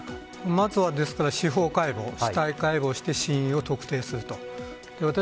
まずは司法解剖、死体解剖をして、死因を特定すると。